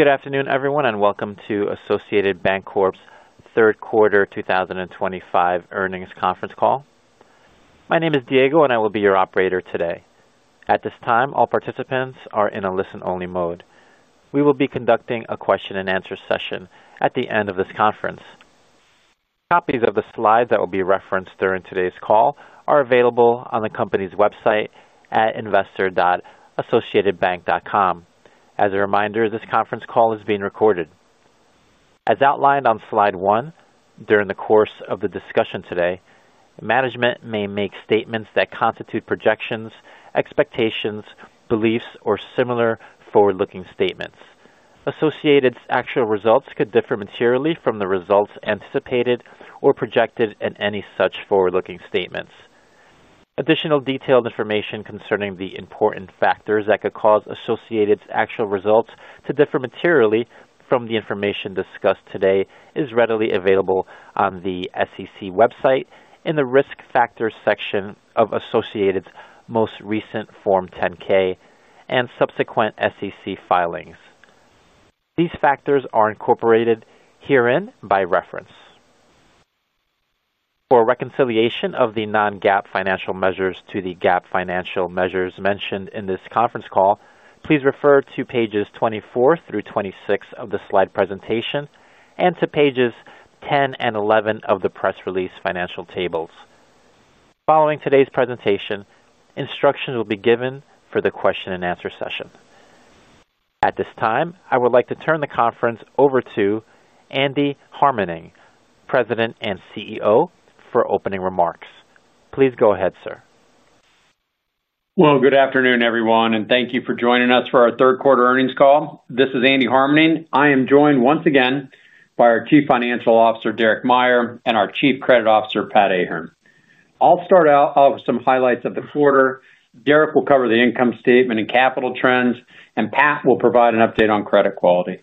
Good afternoon, everyone, and welcome to Associated Banc-Corp's third quarter 2025 earnings conference call. My name is Diego, and I will be your operator today. At this time, all participants are in a listen-only mode. We will be conducting a question-and-answer session at the end of this conference. Copies of the slides that will be referenced during today's call are available on the company's website at investor.associatedbank.com. As a reminder, this conference call is being recorded. As outlined on slide one, during the course of the discussion today, management may make statements that constitute projections, expectations, beliefs, or similar forward-looking statements. Associated's actual results could differ materially from the results anticipated or projected in any such forward-looking statements. Additional detailed information concerning the important factors that could cause Associated's actual results to differ materially from the information discussed today is readily available on the SEC website in the risk factors section of Associated's most recent Form 10-K and subsequent SEC filings. These factors are incorporated herein by reference. For reconciliation of the non-GAAP financial measures to the GAAP financial measures mentioned in this conference call, please refer to pages 24 through 26 of the slide presentation and to pages 10 and 11 of the press release financial tables. Following today's presentation, instructions will be given for the question-and-answer session. At this time, I would like to turn the conference over to Andy Harmening, President and CEO, for opening remarks. Please go ahead, sir. Good afternoon, everyone, and thank you for joining us for our third quarter earnings call. This is Andy Harmening. I am joined once again by our Chief Financial Officer, Derek Meyer, and our Chief Credit Officer, Pat Ahern. I'll start out with some highlights of the quarter. Derek will cover the income statement and capital trends, and Pat will provide an update on credit quality.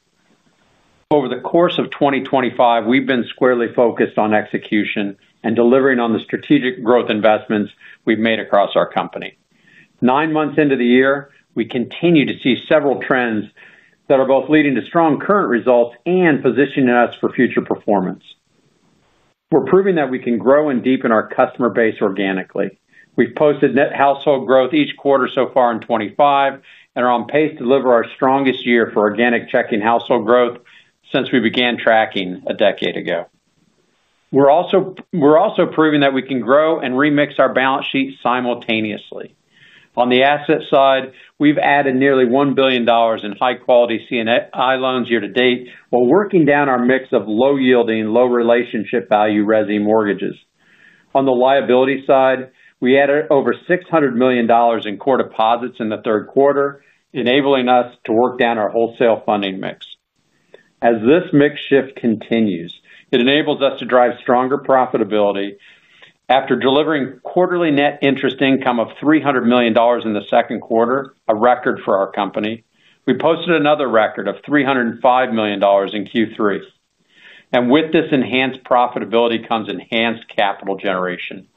Over the course of 2025, we've been squarely focused on execution and delivering on the strategic growth investments we've made across our company. Nine months into the year, we continue to see several trends that are both leading to strong current results and positioning us for future performance. We're proving that we can grow and deepen our customer base organically. We've posted net household growth each quarter so far in 2025 and are on pace to deliver our strongest year for organic checking household growth since we began tracking a decade ago. We're also proving that we can grow and remix our balance sheets simultaneously. On the asset side, we've added nearly $1 billion in high-quality C&I loans year to date while working down our mix of low-yielding and low-relationship value residue mortgages. On the liability side, we added over $600 million in core deposits in the third quarter, enabling us to work down our wholesale funding mix. As this mix shift continues, it enables us to drive stronger profitability. After delivering quarterly net interest income of $300 million in the second quarter, a record for our company, we posted another record of $305 million in Q3. With this enhanced profitability comes enhanced capital generation.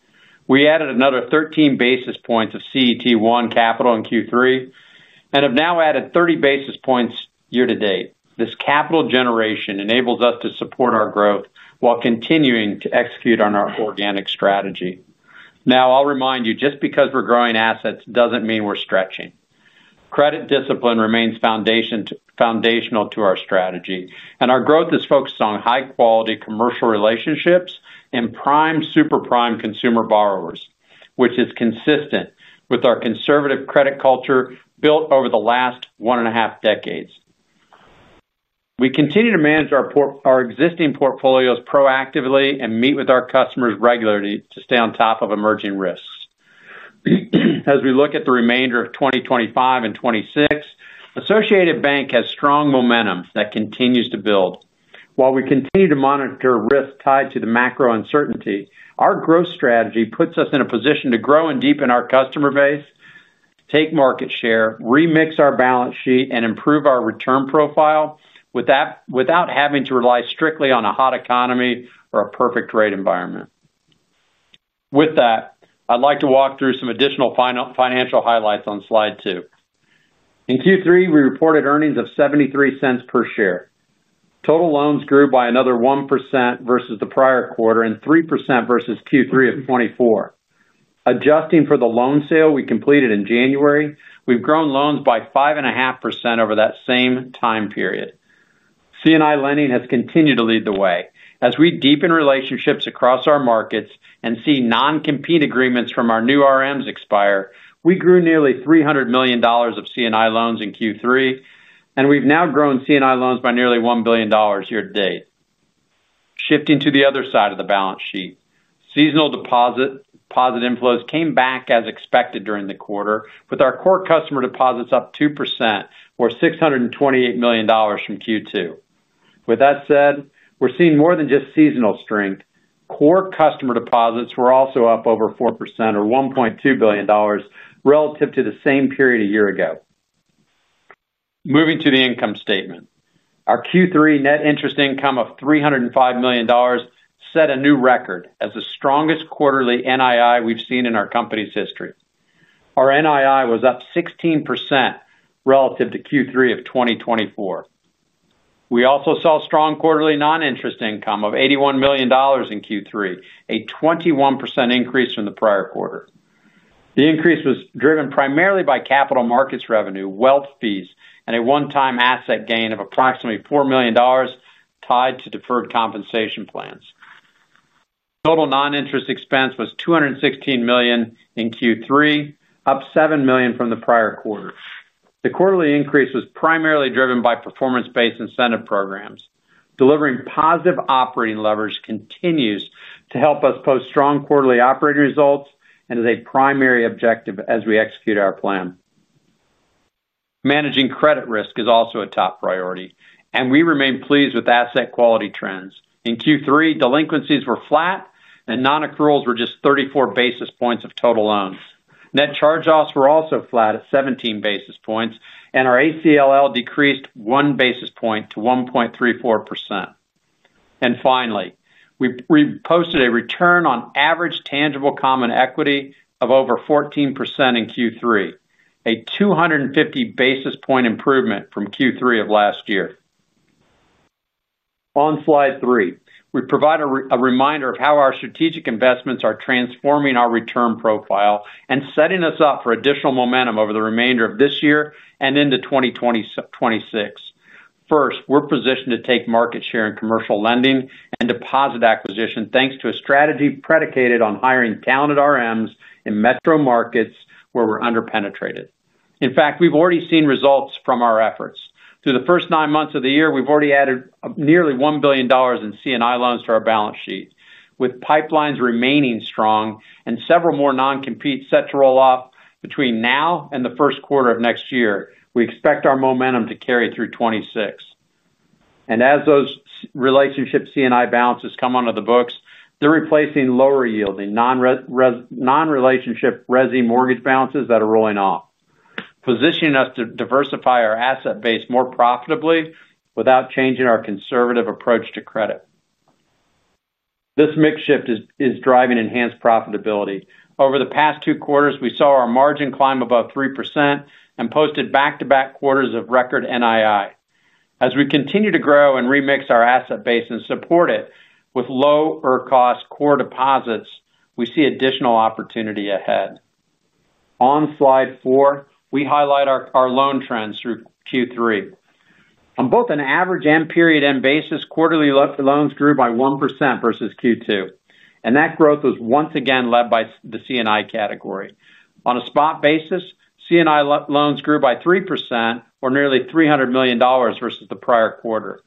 We added another 13 basis points of CET1 capital in Q3 and have now added 30 basis points year to date. This capital generation enables us to support our growth while continuing to execute on our organic strategy. Now, I'll remind you, just because we're growing assets doesn't mean we're stretching. Credit discipline remains foundational to our strategy, and our growth is focused on high-quality commercial relationships and prime superprime consumer borrowers, which is consistent with our conservative credit culture built over the last one and a half decades. We continue to manage our existing portfolios proactively and meet with our customers regularly to stay on top of emerging risks. As we look at the remainder of 2025 and 2026, Associated Banc-Corp has strong momentum that continues to build. While we continue to monitor risks tied to the macro uncertainty, our growth strategy puts us in a position to grow and deepen our customer base, take market share, remix our balance sheet, and improve our return profile without having to rely strictly on a hot economy or a perfect rate environment. With that, I'd like to walk through some additional financial highlights on slide two. In Q3, we reported earnings of $0.73 per share. Total loans grew by another 1% versus the prior quarter and 3% versus Q3 of 2024. Adjusting for the loan sale we completed in January, we've grown loans by 5.5% over that same time period. C&I lending has continued to lead the way. As we deepen relationships across our markets and see non-compete agreements from our new RMs expire, we grew nearly $300 million of C&I loans in Q3, and we've now grown C&I loans by nearly $1 billion year-to-date. Shifting to the other side of the balance sheet, seasonal deposit inflows came back as expected during the quarter, with our core customer deposits up 2% or $628 million from Q2. With that said, we're seeing more than just seasonal strength. Core customer deposits were also up over 4% or $1.2 billion relative to the same period a year ago. Moving to the income statement, our Q3 net interest income of $305 million set a new record as the strongest quarterly NII we've seen in our company's history. Our NII was up 16% relative to Q3 of 2024. We also saw strong quarterly non-interest income of $81 million in Q3, a 21% increase from the prior quarter. The increase was driven primarily by capital markets revenue, wealth fees, and a one-time asset gain of approximately $4 million tied to deferred compensation plans. Total non-interest expense was $216 million in Q3, up $7 million from the prior quarter. The quarterly increase was primarily driven by performance-based incentive programs. Delivering positive operating leverage continues to help us post strong quarterly operating results and is a primary objective as we execute our plan. Managing credit risk is also a top priority, and we remain pleased with asset quality trends. In Q3, delinquencies were flat and non-accruals were just 34 basis points of total loans. Net charge-offs were also flat at 17 basis points, and our ACLL decreased one basis point to 1.34%. Finally, we posted a return on average tangible common equity of over 14% in Q3, a 250 basis point improvement from Q3 of last year. On slide three, we provide a reminder of how our strategic investments are transforming our return profile and setting us up for additional momentum over the remainder of this year and into 2026. First, we're positioned to take market share in commercial lending and deposit acquisition, thanks to a strategy predicated on hiring talented RMs in metro markets where we're underpenetrated. In fact, we've already seen results from our efforts. Through the first nine months of the year, we've already added nearly $1 billion in C&I loans to our balance sheet. With pipelines remaining strong and several more non-compete agreements set to roll off between now and the first quarter of next year, we expect our momentum to carry through 2026. As those relationship C&I balances come onto the books, they're replacing lower-yielding non-relationship residue mortgage balances that are rolling off, positioning us to diversify our asset base more profitably without changing our conservative approach to credit. This mix shift is driving enhanced profitability. Over the past two quarters, we saw our margin climb above 3% and posted back-to-back quarters of record NII. As we continue to grow and remix our asset base and support it with lower-cost core deposits, we see additional opportunity ahead. On slide four, we highlight our loan trends through Q3. On both an average and period end basis, quarterly loans grew by 1% versus Q2, and that growth was once again led by the C&I category. On a spot basis, C&I loans grew by 3% or nearly $300 million versus the prior quarter.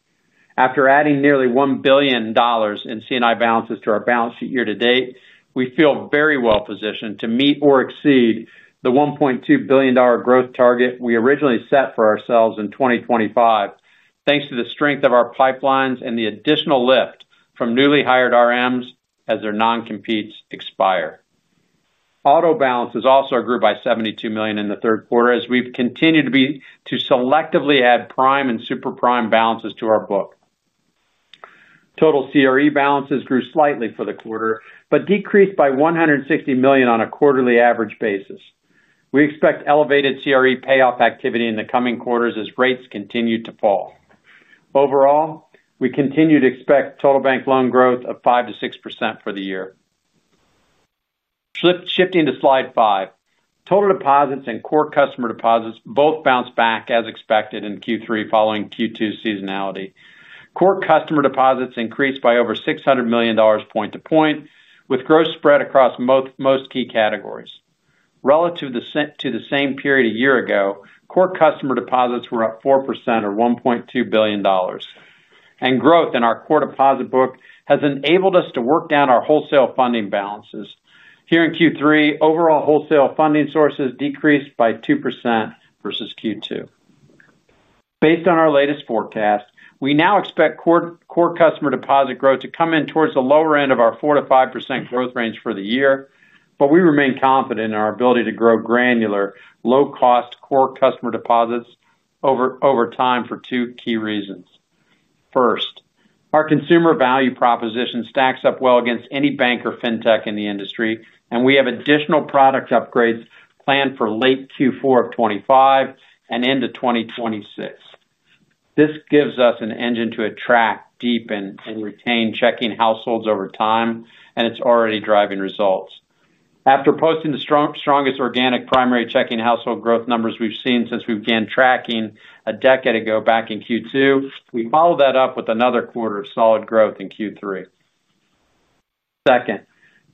After adding nearly $1 billion in C&I balances to our balance sheet year to date, we feel very well positioned to meet or exceed the $1.2 billion growth target we originally set for ourselves in 2025, thanks to the strength of our pipelines and the additional lift from newly hired RMs as their non-compete agreements expire. Auto balances also grew by $72 million in the third quarter, as we've continued to selectively add prime and superprime balances to our book. Total CRE balances grew slightly for the quarter, but decreased by $160 million on a quarterly average basis. We expect elevated CRE payoff activity in the coming quarters as rates continue to fall. Overall, we continue to expect total bank loan growth of 5%-6% for the year. Shifting to slide five, total deposits and core customer deposits both bounced back as expected in Q3 following Q2 seasonality. Core customer deposits increased by over $600 million point to point, with growth spread across most key categories. Relative to the same period a year ago, core customer deposits were up 4% or $1.2 billion, and growth in our core deposit book has enabled us to work down our wholesale funding balances. Here in Q3, overall wholesale funding sources decreased by 2% versus Q2. Based on our latest forecast, we now expect core customer deposit growth to come in towards the lower end of our 4%-5% growth range for the year, but we remain confident in our ability to grow granular, low-cost core customer deposits over time for two key reasons. First, our consumer value proposition stacks up well against any bank or fintech in the industry, and we have additional product upgrades planned for late Q4 of 2025 and into 2026. This gives us an engine to attract, deepen, and retain checking households over time, and it's already driving results. After posting the strongest organic primary checking household growth numbers we've seen since we began tracking a decade ago back in Q2, we followed that up with another quarter of solid growth in Q3. Second,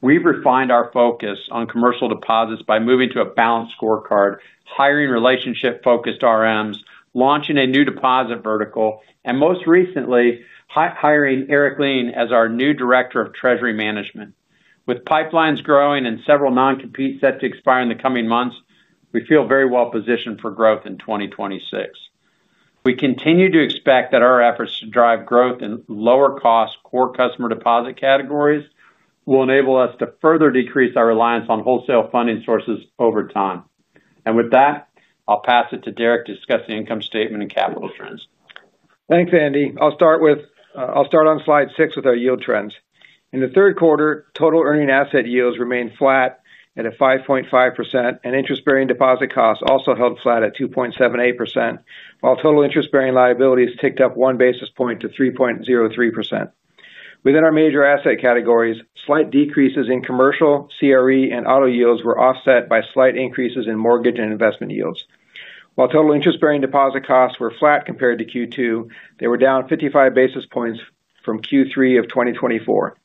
we've refined our focus on commercial deposits by moving to a balanced scorecard, hiring relationship-focused RMs, launching a new deposit vertical, and most recently, hiring Eric Lean as our new Director of Treasury Management. With pipelines growing and several non-competes set to expire in the coming months, we feel very well positioned for growth in 2026. We continue to expect that our efforts to drive growth in lower-cost core customer deposit categories will enable us to further decrease our reliance on wholesale funding sources over time. With that, I'll pass it to Derek to discuss the income statement and capital trends. Thanks, Andy. I'll start on slide six with our yield trends. In the third quarter, total earning asset yields remained flat at 5.5%, and interest-bearing deposit costs also held flat at 2.78%, while total interest-bearing liabilities ticked up one basis point to 3.03%. Within our major asset categories, slight decreases in commercial CRE and auto yields were offset by slight increases in mortgage and investment yields. While total interest-bearing deposit costs were flat compared to Q2, they were down 55 basis points from Q3 of 2024.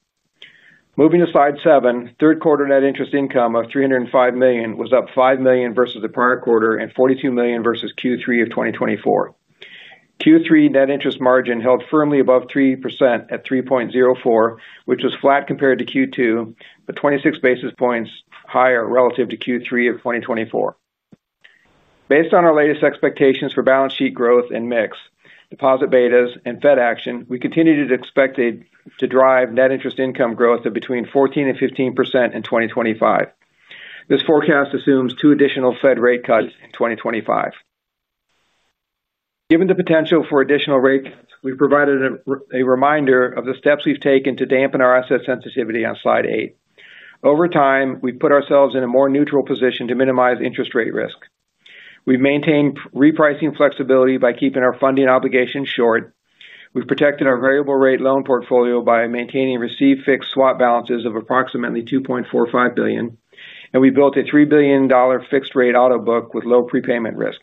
Moving to slide seven, third quarter net interest income of $305 million was up $5 million versus the prior quarter and $42 million versus Q3 of 2024. Q3 net interest margin held firmly above 3% at 3.04%, which was flat compared to Q2, but 26 basis points higher relative to Q3 of 2024. Based on our latest expectations for balance sheet growth and mix, deposit betas, and Fed action, we continue to expect to drive net interest income growth of between 14% and 15% in 2025. This forecast assumes two additional Fed rate cuts in 2025. Given the potential for additional rate, we've provided a reminder of the steps we've taken to dampen our asset sensitivity on slide eight. Over time, we've put ourselves in a more neutral position to minimize interest rate risk. We've maintained repricing flexibility by keeping our funding obligations short. We've protected our variable rate loan portfolio by maintaining received fixed swap balances of approximately $2.45 billion, and we built a $3 billion fixed-rate auto book with low prepayment risk.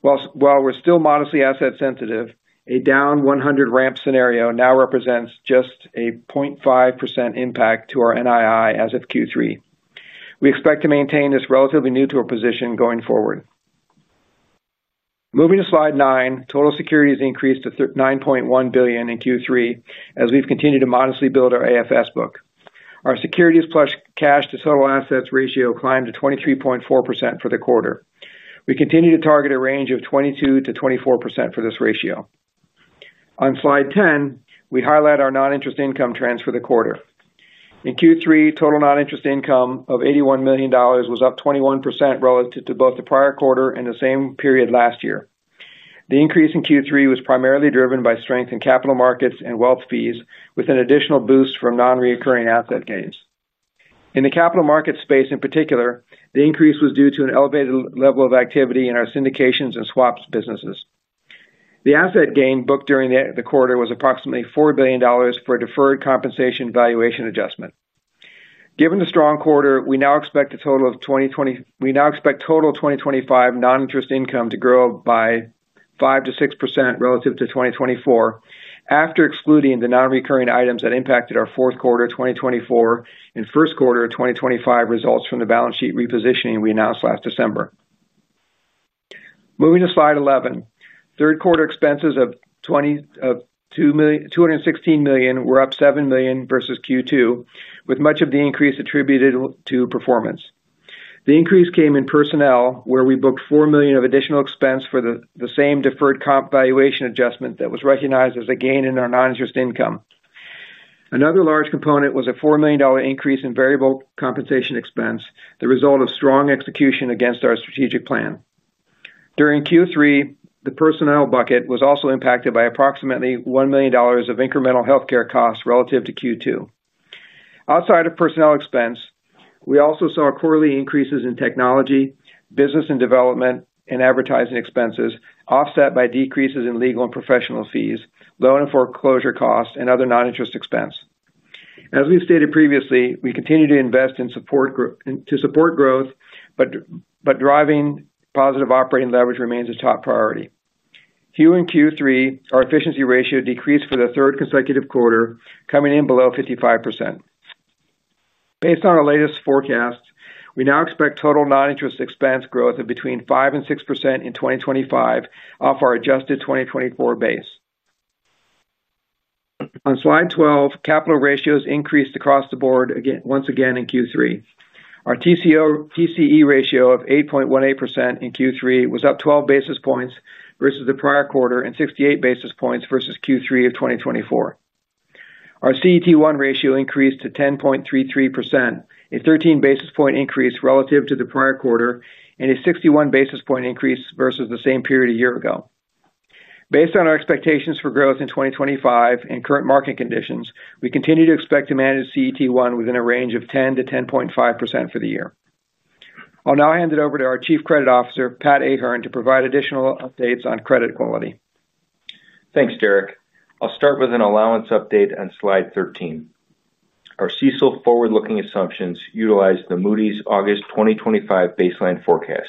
While we're still modestly asset sensitive, a down 100 ramp scenario now represents just a 0.5% impact to our NII as of Q3. We expect to maintain this relatively neutral position going forward. Moving to slide nine, total securities increased to $9.1 billion in Q3 as we've continued to modestly build our AFS book. Our securities plus cash to total assets ratio climbed to 23.4% for the quarter. We continue to target a range of 22%-24% for this ratio. On slide 10, we highlight our non-interest income trends for the quarter. In Q3, total non-interest income of $81 million was up 21% relative to both the prior quarter and the same period last year. The increase in Q3 was primarily driven by strength in capital markets and wealth fees, with an additional boost from non-recurring asset gains. In the capital markets space in particular, the increase was due to an elevated level of activity in our syndications and swaps businesses. The asset gain booked during the quarter was approximately $4 million for a deferred compensation valuation adjustment. Given the strong quarter, we now expect a total of 2025 non-interest income to grow by 5%-6% relative to 2024, after excluding the non-recurring items that impacted our fourth quarter of 2024 and first quarter of 2025 results from the balance sheet repositioning we announced last December. Moving to slide 11, third quarter expenses of $216 million were up $7 million versus Q2, with much of the increase attributed to performance. The increase came in personnel, where we booked $4 million of additional expense for the same deferred comp valuation adjustment that was recognized as a gain in our non-interest income. Another large component was a $4 million increase in variable compensation expense, the result of strong execution against our strategic plan. During Q3, the personnel bucket was also impacted by approximately $1 million of incremental healthcare costs relative to Q2. Outside of personnel expense, we also saw quarterly increases in technology, business and development, and advertising expenses, offset by decreases in legal and professional fees, loan and foreclosure costs, and other non-interest expense. As we've stated previously, we continue to invest in support growth, but driving positive operating leverage remains a top priority. Here in Q3, our efficiency ratio decreased for the third consecutive quarter, coming in below 55%. Based on our latest forecast, we now expect total non-interest expense growth of between 5% and 6% in 2025 off our adjusted 2024 base. On slide 12, capital ratios increased across the board once again in Q3. Our TCE ratio of 8.18% in Q3 was up 12 basis points versus the prior quarter and 68 basis points versus Q3 of 2024. Our CET1 ratio increased to 10.33%, a 13 basis point increase relative to the prior quarter, and a 61 basis point increase versus the same period a year ago. Based on our expectations for growth in 2025 and current market conditions, we continue to expect to manage CET1 within a range of 10%-10.5% for the year. I'll now hand it over to our Chief Credit Officer, Pat Ahern, to provide additional updates on credit quality. Thanks, Derek. I'll start with an allowance update on slide 13. Our CECL forward-looking assumptions utilize the Moody's August 2025 baseline forecast.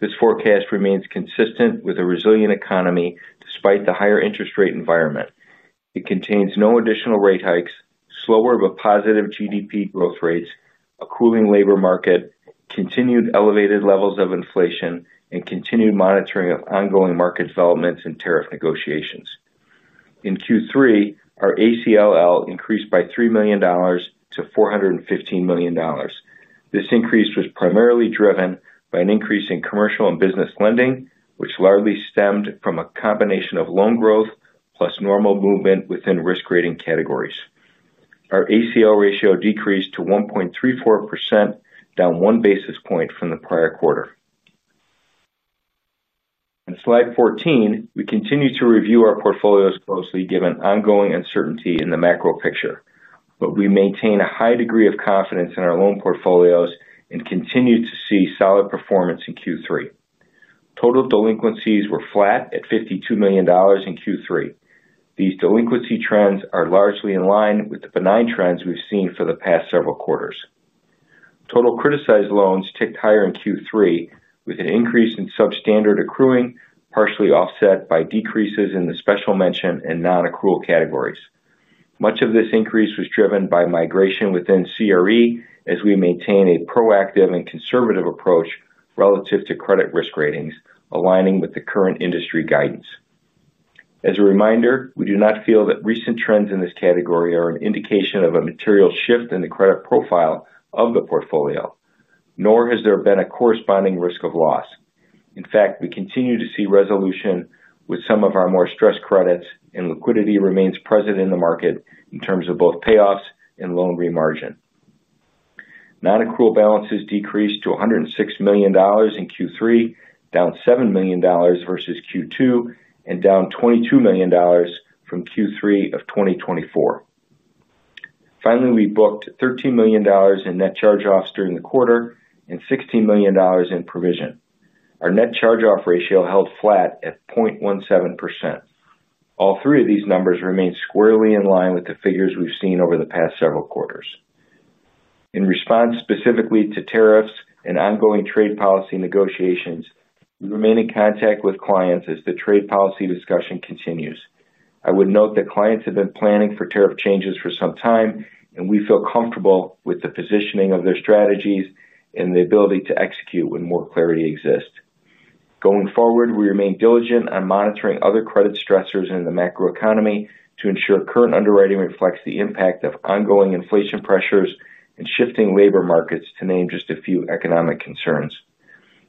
This forecast remains consistent with a resilient economy despite the higher interest rate environment. It contains no additional rate hikes, slower but positive GDP growth rates, a cooling labor market, continued elevated levels of inflation, and continued monitoring of ongoing market developments and tariff negotiations. In Q3, our ACL increased by $3 million to $415 million. This increase was primarily driven by an increase in commercial and business lending, which largely stemmed from a combination of loan growth plus normal movement within risk rating categories. Our ACL ratio decreased to 1.34%, down one basis point from the prior quarter. In slide 14, we continue to review our portfolios closely given ongoing uncertainty in the macro picture, but we maintain a high degree of confidence in our loan portfolios and continue to see solid performance in Q3. Total delinquencies were flat at $52 million in Q3. These delinquency trends are largely in line with the benign trends we've seen for the past several quarters. Total criticized loans ticked higher in Q3, with an increase in substandard accruing partially offset by decreases in the special mention and non-accrual categories. Much of this increase was driven by migration within CRE as we maintain a proactive and conservative approach relative to credit risk ratings, aligning with the current industry guidance. As a reminder, we do not feel that recent trends in this category are an indication of a material shift in the credit profile of the portfolio, nor has there been a corresponding risk of loss. In fact, we continue to see resolution with some of our more stressed credits, and liquidity remains present in the market in terms of both payoffs and loan remargin. Non-accrual balances decreased to $106 million in Q3, down $7 million versus Q2, and down $22 million from Q3 of 2024. Finally, we booked $13 million in net charge-offs during the quarter and $16 million in provision. Our net charge-off ratio held flat at 0.17%. All three of these numbers remain squarely in line with the figures we've seen over the past several quarters. In response specifically to tariffs and ongoing trade policy negotiations, we remain in contact with clients as the trade policy discussion continues. I would note that clients have been planning for tariff changes for some time, and we feel comfortable with the positioning of their strategies and the ability to execute when more clarity exists. Going forward, we remain diligent on monitoring other credit stressors in the macroeconomy to ensure current underwriting reflects the impact of ongoing inflation pressures and shifting labor markets, to name just a few economic concerns.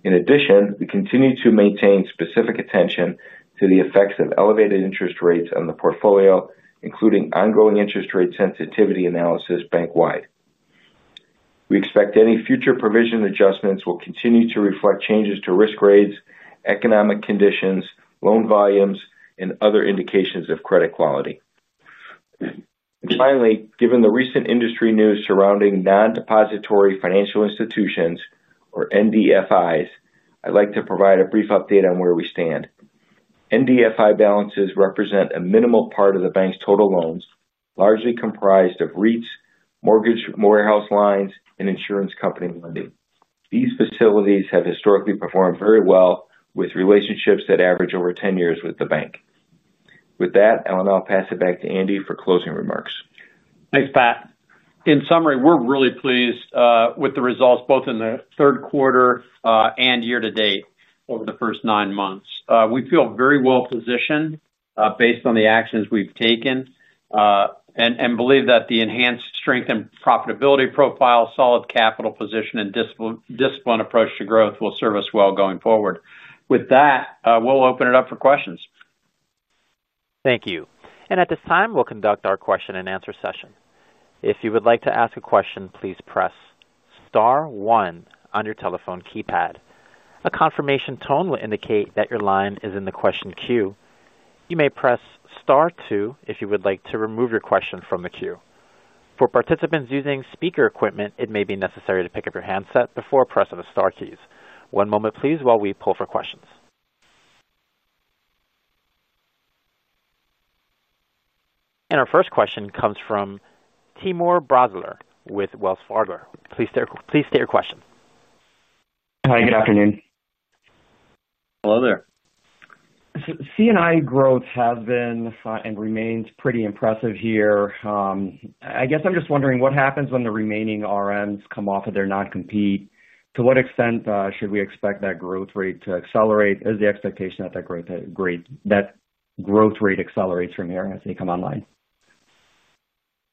In addition, we continue to maintain specific attention to the effects of elevated interest rates on the portfolio, including ongoing interest rate sensitivity analysis bank-wide. We expect any future provision adjustments will continue to reflect changes to risk grades, economic conditions, loan volumes, and other indications of credit quality. Finally, given the recent industry news surrounding non-depository financial institutions, or NDFIs, I'd like to provide a brief update on where we stand. NDFI balances represent a minimal part of the bank's total loans, largely comprised of REITs, mortgage warehouse lines, and insurance company lending. These facilities have historically performed very well with relationships that average over 10 years with the bank. With that, I'll pass it back to Andy for closing remarks. Thanks, Pat. In summary, we're really pleased with the results both in the third quarter and year to date over the first nine months. We feel very well positioned based on the actions we've taken and believe that the enhanced strength and profitability profile, solid capital position, and discipline approach to growth will serve us well going forward. With that, we'll open it up for questions. Thank you. At this time, we'll conduct our question-and-answer session. If you would like to ask a question, please press star one on your telephone keypad. A confirmation tone will indicate that your line is in the question queue. You may press star two if you would like to remove your question from the queue. For participants using speaker equipment, it may be necessary to pick up your handset before pressing the star keys. One moment, please, while we poll for questions. Our first question comes from Timur Braziler with Wells Fargo. Please state your question. Hi, good afternoon. Hello there. C&I growth has been and remains pretty impressive here. I guess I'm just wondering what happens when the remaining RMs come off of their non-compete. To what extent should we expect that growth rate to accelerate? Is the expectation that that growth rate accelerates from here as they come online?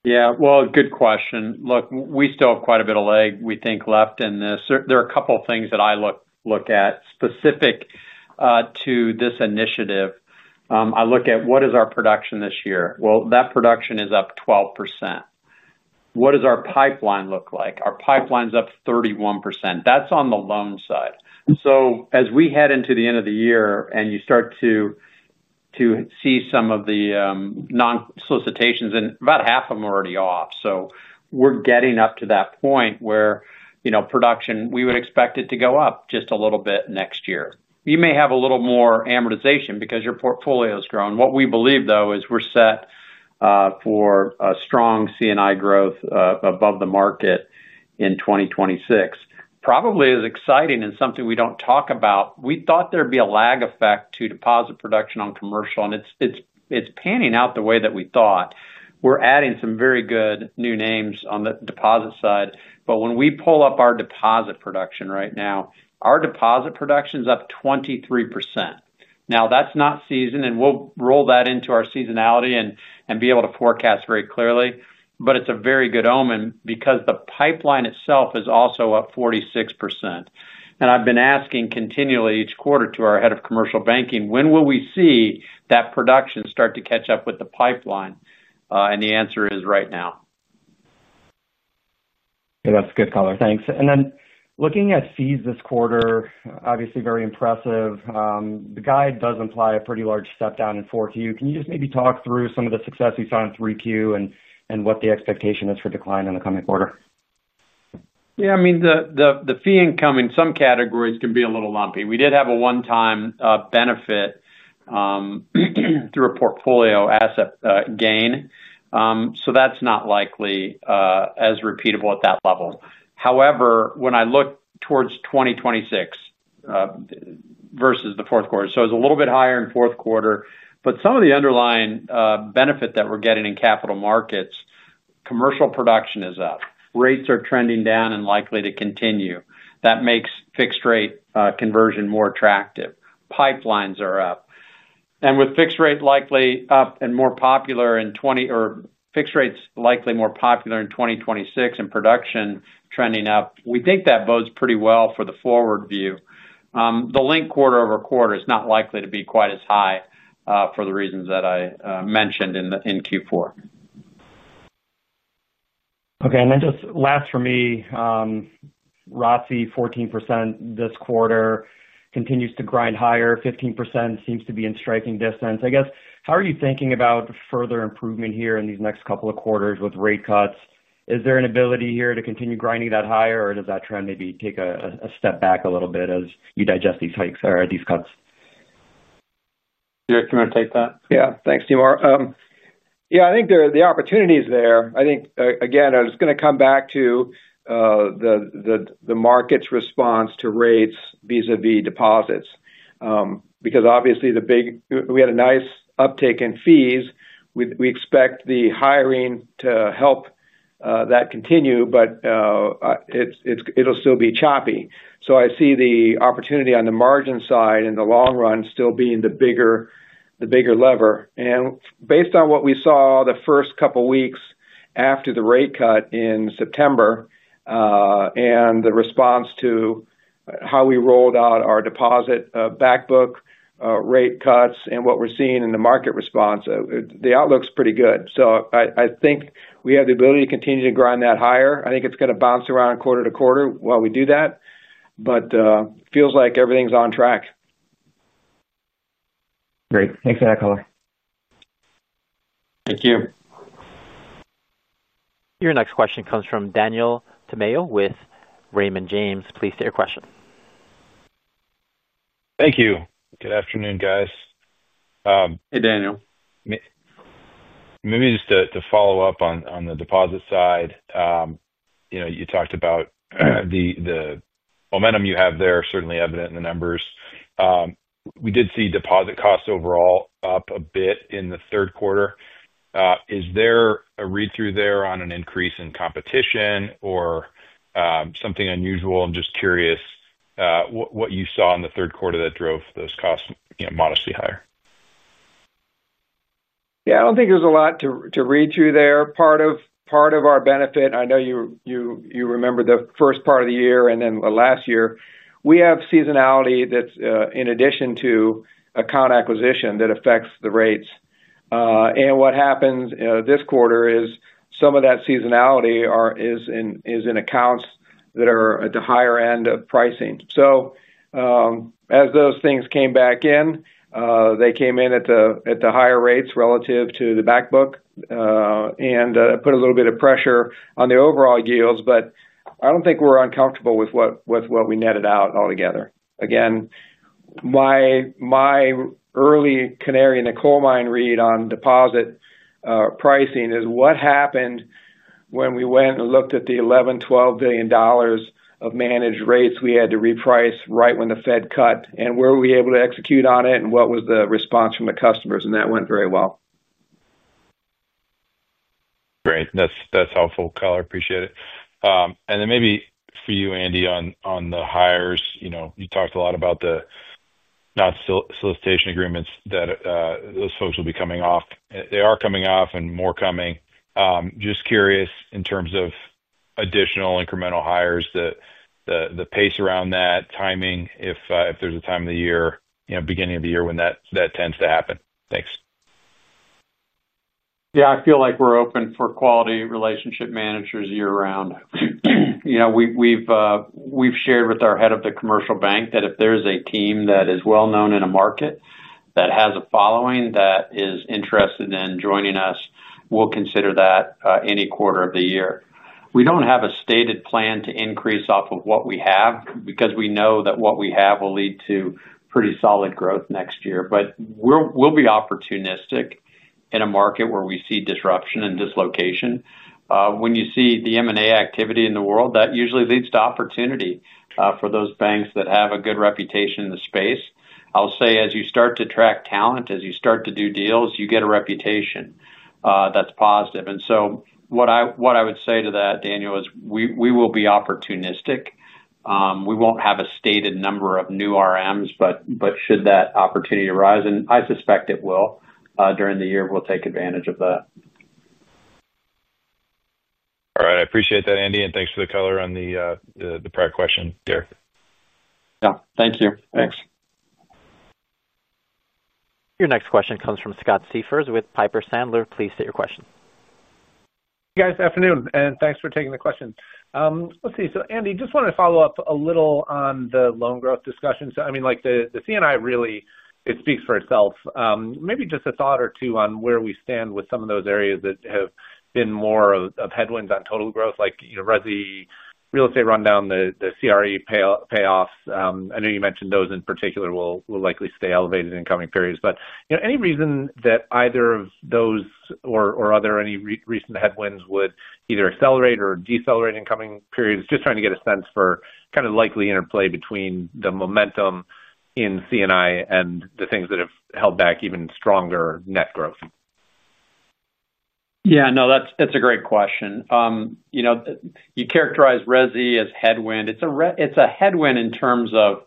Good question. Look, we still have quite a bit of leg, we think, left in this. There are a couple of things that I look at specific to this initiative. I look at what is our production this year. That production is up 12%. What does our pipeline look like? Our pipeline's up 31%. That's on the loan side. As we head into the end of the year and you start to see some of the non-solicitations, about half of them are already off, so we're getting up to that point where, you know, production, we would expect it to go up just a little bit next year. You may have a little more amortization because your portfolio has grown. What we believe, though, is we're set for a strong C&I growth above the market in 2026. Probably as exciting and something we don't talk about, we thought there'd be a lag effect to deposit production on commercial, and it's panning out the way that we thought. We're adding some very good new names on the deposit side, but when we pull up our deposit production right now, our deposit production's up 23%. That's not seasoned, and we'll roll that into our seasonality and be able to forecast very clearly, but it's a very good omen because the pipeline itself is also up 46%. I've been asking continually each quarter to our Head of Commercial Banking, when will we see that production start to catch up with the pipeline? The answer is right now. Yeah, that's a good caller. Thanks. Looking at fees this quarter, obviously very impressive. The guide does imply a pretty large step down in 4Q. Can you just maybe talk through some of the success we saw in 3Q and what the expectation is for decline in the coming quarter? Yeah, I mean, the fee income in some categories can be a little lumpy. We did have a one-time benefit through a portfolio asset gain, so that's not likely as repeatable at that level. However, when I look towards 2026 versus the fourth quarter, it was a little bit higher in fourth quarter, but some of the underlying benefit that we're getting in capital markets, commercial production is up. Rates are trending down and likely to continue. That makes fixed-rate conversion more attractive. Pipelines are up. With fixed rate likely up and more popular in 2026 and production trending up, we think that bodes pretty well for the forward view. The link quarter over quarter is not likely to be quite as high for the reasons that I mentioned in Q4. Okay, and then just last for me, Roth's 14% this quarter continues to grind higher. 15% seems to be in striking distance. I guess, how are you thinking about further improvement here in these next couple of quarters with rate cuts? Is there an ability here to continue grinding that higher, or does that trend maybe take a step back a little bit as you digest these hikes or these cuts? Derek, do you want to take that? Yeah, thanks, Timur. I think the opportunity is there. I think, again, I was going to come back to the market's response to rates vis-à-vis deposits because obviously the big, we had a nice uptick in fees. We expect the hiring to help that continue, but it'll still be choppy. I see the opportunity on the margin side in the long run still being the bigger lever. Based on what we saw the first couple of weeks after the rate cut in September and the response to how we rolled out our deposit backbook, rate cuts, and what we're seeing in the market response, the outlook's pretty good. I think we have the ability to continue to grind that higher. I think it's going to bounce around quarter-to-quarter while we do that, but it feels like everything's on track. Great. Thanks for that caller. Thank you. Your next question comes from Daniel Tamayo with Raymond James. Please state your question. Thank you. Good afternoon, guys. Hey, Daniel. Maybe just to follow up on the deposit side, you know, you talked about the momentum you have there, certainly evident in the numbers. We did see deposit costs overall up a bit in the third quarter. Is there a read-through there on an increase in competition or something unusual? I'm just curious what you saw in the third quarter that drove those costs modestly higher. Yeah, I don't think there's a lot to read through there. Part of our benefit, and I know you remember the first part of the year and then the last year, we have seasonality that's in addition to account acquisition that affects the rates. What happens this quarter is some of that seasonality is in accounts that are at the higher end of pricing. As those things came back in, they came in at the higher rates relative to the backbook and put a little bit of pressure on the overall yields, but I don't think we're uncomfortable with what we netted out altogether. Again, my early canary in the coal mine read on deposit pricing is what happened when we went and looked at the $11 billion-$12 billion of managed rates we had to reprice right when the Fed cut and where we were able to execute on it and what was the response from the customers, and that went very well. Great. That's helpful, caller. Appreciate it. Maybe for you, Andy, on the hires, you talked a lot about the non-solicitation agreements that those folks will be coming off. They are coming off and more coming. Just curious in terms of additional incremental hires, the pace around that timing, if there's a time of the year, you know, beginning of the year when that tends to happen. Thanks. Yeah, I feel like we're open for quality relationship managers year-round. We've shared with our Head of the Commercial Bank that if there's a team that is well known in a market that has a following that is interested in joining us, we'll consider that any quarter of the year. We don't have a stated plan to increase off of what we have because we know that what we have will lead to pretty solid growth next year, but we'll be opportunistic in a market where we see disruption and dislocation. When you see the M&A activity in the world, that usually leads to opportunity for those banks that have a good reputation in the space. As you start to track talent, as you start to do deals, you get a reputation that's positive. What I would say to that, Daniel, is we will be opportunistic. We won't have a stated number of new RMs, but should that opportunity arise, and I suspect it will during the year, we'll take advantage of that. All right. I appreciate that, Andy, and thanks for the color on the prior question, Derek. Thank you. Thanks. Your next question comes from Scott Siefers with Piper Sandler. Please state your question. Hey, guys, afternoon, and thanks for taking the question. Andy, just wanted to follow up a little on the loan growth discussion. I mean, like the C&I really, it speaks for itself. Maybe just a thought or two on where we stand with some of those areas that have been more of headwinds on total growth, like RESI real estate rundown, the CRE payoffs. I know you mentioned those in particular will likely stay elevated in coming periods, but any reason that either of those or are there any recent headwinds would either accelerate or decelerate in coming periods? Just trying to get a sense for kind of the likely interplay between the momentum in C&I and the things that have held back even stronger net growth. Yeah, no, that's a great question. You know, you characterize RESI as headwind. It's a headwind in terms of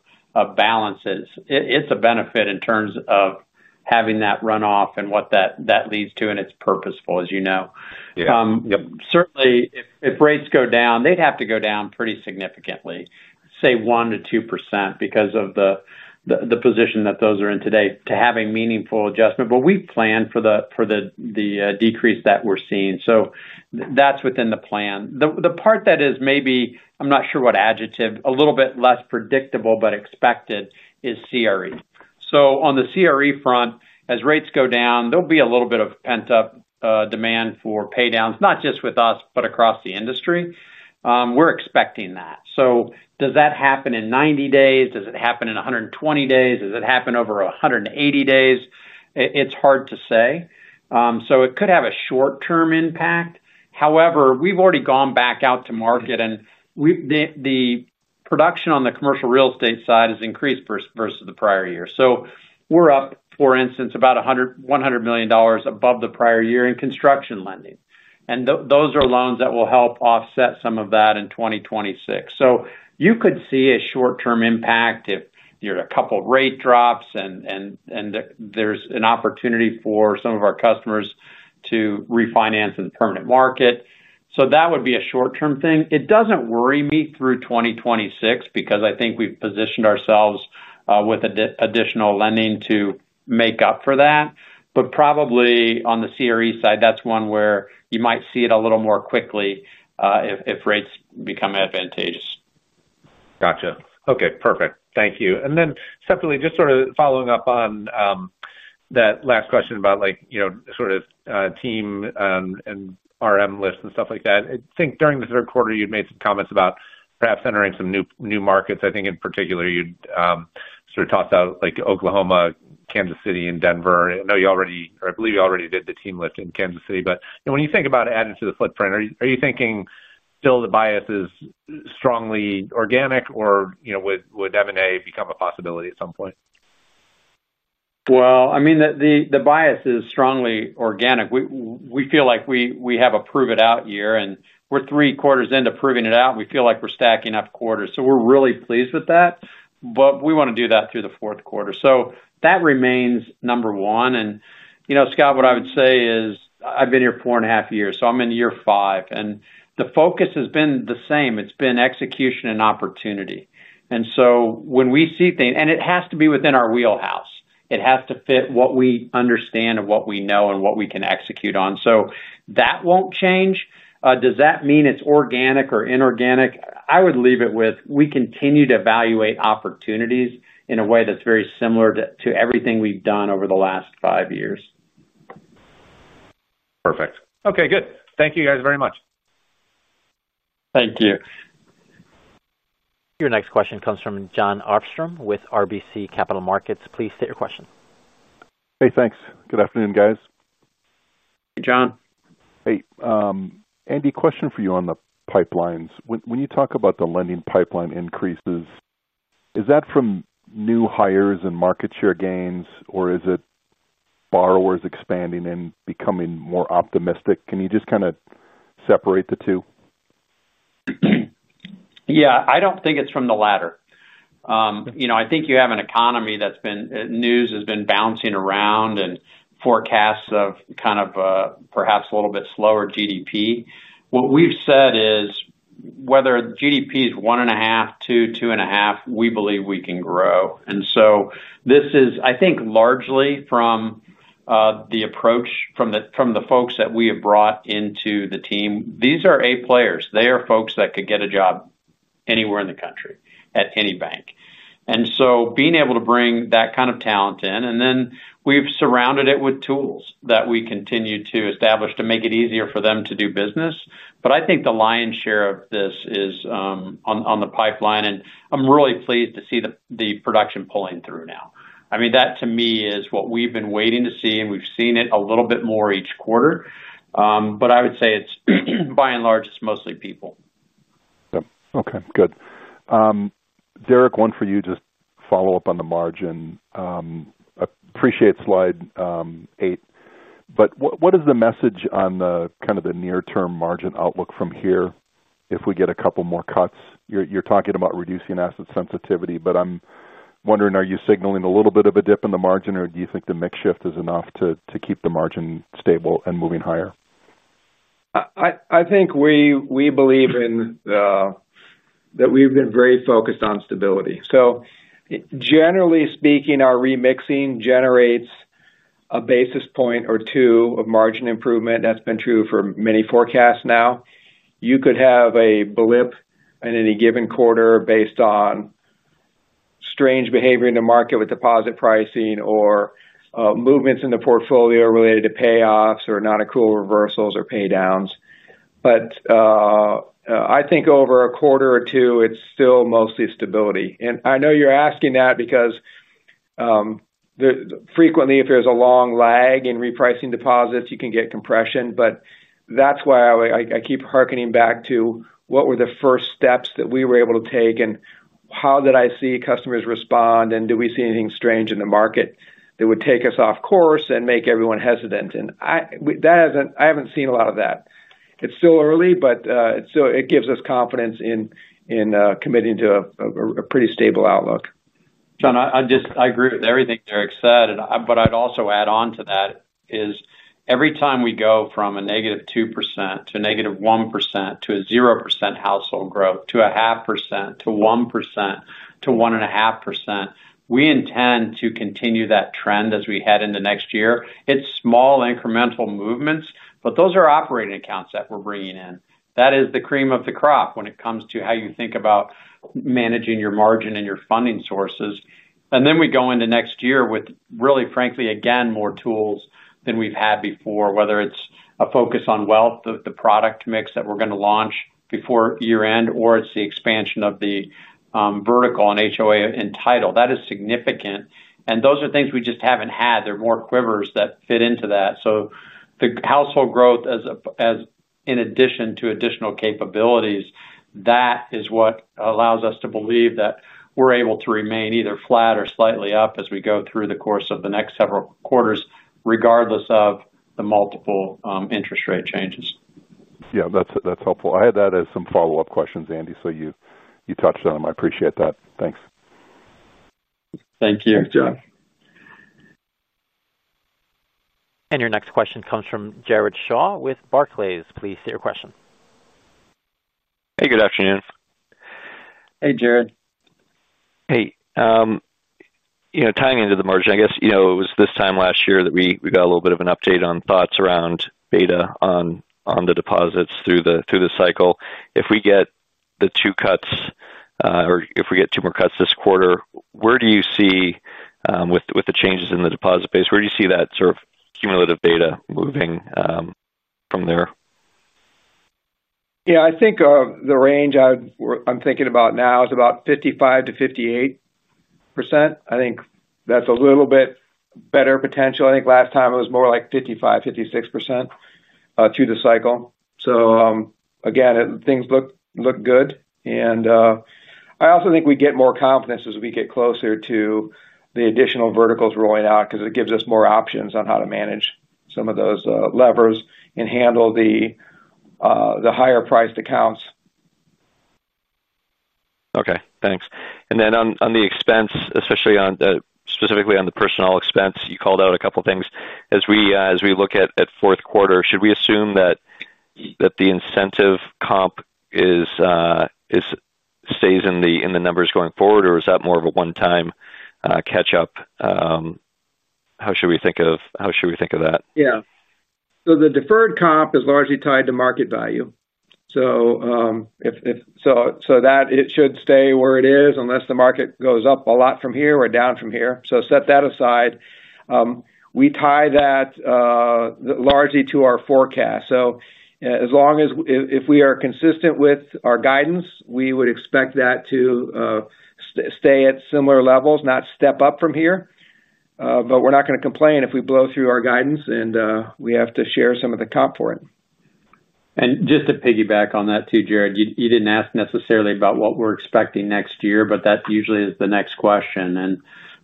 balances. It's a benefit in terms of having that runoff and what that leads to, and it's purposeful, as you know. Certainly, if rates go down, they'd have to go down pretty significantly, say 1%-2% because of the position that those are in today to have a meaningful adjustment. We plan for the decrease that we're seeing. That's within the plan. The part that is maybe, I'm not sure what adjective, a little bit less predictable but expected is CRE. On the CRE front, as rates go down, there'll be a little bit of pent-up demand for paydowns, not just with us, but across the industry. We're expecting that. Does that happen in 90 days? Does it happen in 120 days? Does it happen over 180 days? It's hard to say. It could have a short-term impact. However, we've already gone back out to market, and the production on the commercial real estate side has increased versus the prior year. We're up, for instance, about $100 million above the prior year in construction lending. Those are loans that will help offset some of that in 2026. You could see a short-term impact if there are a couple of rate drops and there's an opportunity for some of our customers to refinance in the permanent market. That would be a short-term thing. It doesn't worry me through 2026 because I think we've positioned ourselves with additional lending to make up for that. Probably on the CRE side, that's one where you might see it a little more quickly if rates become advantageous. Gotcha. Okay, perfect. Thank you. Separately, just sort of following up on that last question about team and RM lists and stuff like that. I think during the third quarter, you'd made some comments about perhaps entering some new markets. I think in particular, you'd sort of toss out Oklahoma, Kansas City, and Denver. I know you already, or I believe you already did the team lift in Kansas City. When you think about adding to the footprint, are you thinking still the bias is strongly organic or would M&A become a possibility at some point? The bias is strongly organic. We feel like we have a prove-it-out year, and we're three quarters into proving it out, and we feel like we're stacking up quarters. We're really pleased with that, but we want to do that through the fourth quarter. That remains number one. You know, Scott, what I would say is I've been here four and a half years, so I'm in year five, and the focus has been the same. It's been execution and opportunity. When we see things, it has to be within our wheelhouse. It has to fit what we understand and what we know and what we can execute on. That won't change. Does that mean it's organic or inorganic? I would leave it with we continue to evaluate opportunities in a way that's very similar to everything we've done over the last five years. Perfect. Okay, good. Thank you guys very much. Thank you. Your next question comes from Jon Arfstrom with RBC Capital Markets. Please state your question. Hey, thanks. Good afternoon, guys. Hey, John. Hey, Andy, question for you on the pipelines. When you talk about the lending pipeline increases, is that from new hires and market share gains, or is it borrowers expanding and becoming more optimistic? Can you just kind of separate the two? Yeah, I don't think it's from the latter. I think you have an economy that's been, news has been bouncing around and forecasts of kind of perhaps a little bit slower GDP. What we've said is whether GDP is 1.5, 2, 2.5, we believe we can grow. This is, I think, largely from the approach from the folks that we have brought into the team. These are A players. They are folks that could get a job anywhere in the country at any bank. Being able to bring that kind of talent in, and then we've surrounded it with tools that we continue to establish to make it easier for them to do business. I think the lion's share of this is on the pipeline, and I'm really pleased to see the production pulling through now. That to me is what we've been waiting to see, and we've seen it a little bit more each quarter. I would say it's by and large, it's mostly people. Yeah, okay, good. Derek, one for you, just follow up on the margin. I appreciate slide eight, but what is the message on the kind of the near-term margin outlook from here if we get a couple more cuts? You're talking about reducing asset sensitivity, but I'm wondering, are you signaling a little bit of a dip in the margin, or do you think the mix shift is enough to keep the margin stable and moving higher? I think we believe that we've been very focused on stability. Generally speaking, our remixing generates a basis point or two of margin improvement. That's been true for many forecasts now. You could have a blip in any given quarter based on strange behavior in the market with deposit pricing or movements in the portfolio related to payoffs or non-accrual reversals or paydowns. I think over a quarter or two, it's still mostly stability. I know you're asking that because frequently, if there's a long lag in repricing deposits, you can get compression. That's why I keep hearkening back to what were the first steps that we were able to take and how did I see customers respond and do we see anything strange in the market that would take us off course and make everyone hesitant. I haven't seen a lot of that. It's still early, but it gives us confidence in committing to a pretty stable outlook. I agree with everything Derek said. I'd also add on to that is every time we go from a -2% to a -1% to a 0% household growth to a 0.5% to 1% to 1.5%, we intend to continue that trend as we head into next year. It's small incremental movements, but those are operating accounts that we're bringing in. That is the cream of the crop when it comes to how you think about managing your margin and your funding sources. We go into next year with really, frankly, again, more tools than we've had before, whether it's a focus on wealth, the product mix that we're going to launch before year-end, or it's the expansion of the vertical and HOA title. That is significant. Those are things we just haven't had. They're more quivers that fit into that. The household growth, in addition to additional capabilities, is what allows us to believe that we're able to remain either flat or slightly up as we go through the course of the next several quarters, regardless of the multiple interest rate changes. Yeah, that's helpful. I had that as some follow-up questions, Andy. You touched on them. I appreciate that. Thanks. Thank you. Thanks, John. Your next question comes from Jared Shaw with Barclays. Please state your question. Hey, good afternoon. Hey, Jared. You know, tying into the margin, I guess it was this time last year that we got a little bit of an update on thoughts around beta on the deposits through the cycle. If we get the two cuts, or if we get two more cuts this quarter, where do you see, with the changes in the deposit base, where do you see that sort of cumulative beta moving from there? Yeah, I think the range I'm thinking about now is about 55%-58%. I think that's a little bit better potential. I think last time it was more like 55%, 56% through the cycle. Things look good. I also think we get more confidence as we get closer to the additional verticals rolling out because it gives us more options on how to manage some of those levers and handle the higher priced accounts. Okay, thanks. On the expense, specifically on the personnel expense, you called out a couple of things. As we look at fourth quarter, should we assume that the incentive comp stays in the numbers going forward, or is that more of a one-time catch-up? How should we think of that? Yeah. The deferred comp is largely tied to market value. If that is the case, it should stay where it is unless the market goes up a lot from here or down from here. Set that aside. We tie that largely to our forecast. As long as we are consistent with our guidance, we would expect that to stay at similar levels, not step up from here. We're not going to complain if we blow through our guidance and we have to share some of the comp for it. To piggyback on that too, Jared, you didn't ask necessarily about what we're expecting next year, but that usually is the next question.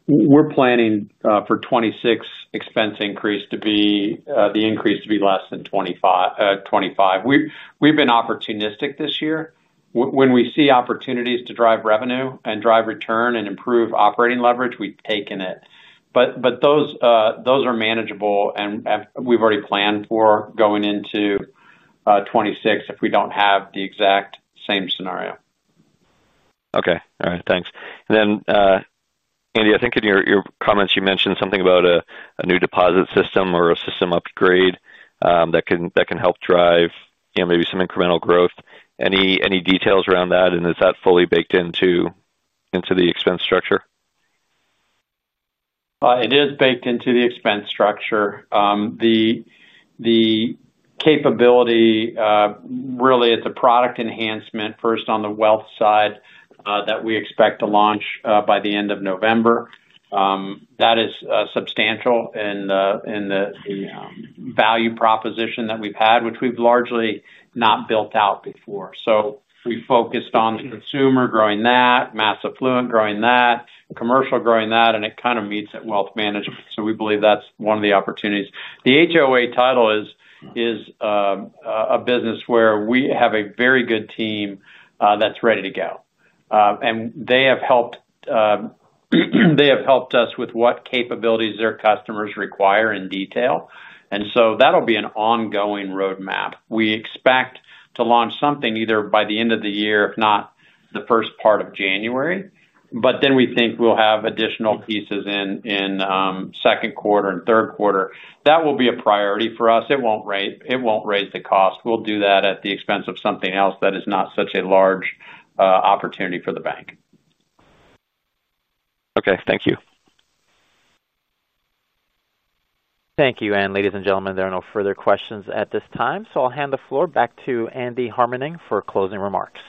We're planning for 2026 expense increase to be, the increase to be less than 2025. We've been opportunistic this year. When we see opportunities to drive revenue and drive return and improve operating leverage, we've taken it. Those are manageable, and we've already planned for going into 2026 if we don't have the exact same scenario. Okay. All right, thanks. Andy, I think in your comments, you mentioned something about a new deposit system or a system upgrade that can help drive, you know, maybe some incremental growth. Any details around that? Is that fully baked into the expense structure? It is baked into the expense structure. The capability, really, it's a product enhancement first on the wealth side that we expect to launch by the end of November. That is substantial in the value proposition that we've had, which we've largely not built out before. We focused on the consumer, growing that, mass affluent, growing that, commercial, growing that, and it kind of meets at wealth management. We believe that's one of the opportunities. The HOA title is a business where we have a very good team that's ready to go. They have helped us with what capabilities their customers require in detail. That'll be an ongoing roadmap. We expect to launch something either by the end of the year, if not the first part of January. We think we'll have additional pieces in second quarter and third quarter. That will be a priority for us. It won't raise the cost. We'll do that at the expense of something else that is not such a large opportunity for the bank. Okay, thank you. Thank you. Ladies and gentlemen, there are no further questions at this time. I'll hand the floor back to Andy Harmening for closing remarks.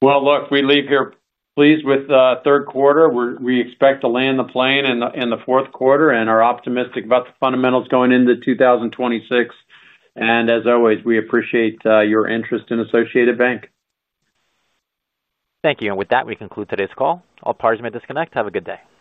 We leave here pleased with third quarter. We expect to land the plane in the fourth quarter and are optimistic about the fundamentals going into 2026. As always, we appreciate your interest in Associated Banc. Thank you. With that, we conclude today's call. All parties may disconnect. Have a good day.